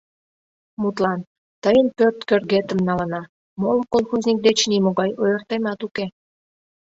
Мутлан, тыйын пӧрт кӧргетым налына: моло колхозник деч нимогай ойыртемат уке...